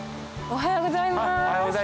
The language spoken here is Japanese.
おはようございます。